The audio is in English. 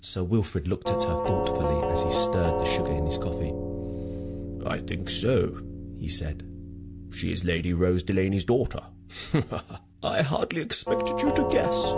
Sir Wilfrid looked at her thoughtfully as he stirred the sugar in his coffee. "I think so," he said. "She is Lady Rose Delaney's daughter." Lady Henry gave a sudden laugh. "I hardly expected you to guess!